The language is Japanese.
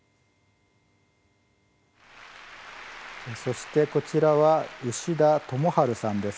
そしてこちらは牛田智大さんです。